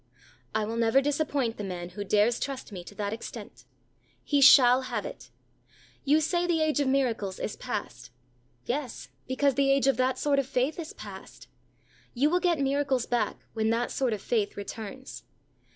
"I will never disappoint the man who dares trust me to that extent." He shall have it. You say the age of miracles is past. Yes, because the age of that sort of faith is past. You will get miracles back when that sort of faith returns.